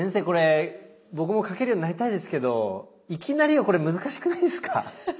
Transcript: これ僕も描けるようになりたいですけどいきなりはこれ難しくないですか？